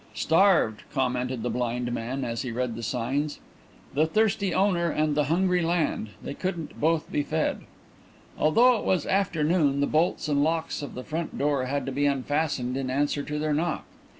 "Starved," commented the blind man, as he read the signs. "The thirsty owner and the hungry land: they couldn't both be fed." Although it was afternoon the bolts and locks of the front door had to be unfastened in answer to their knock.